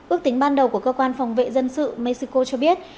ước tính ban đầu của cơ quan phòng vệ dân sự mexico cho biết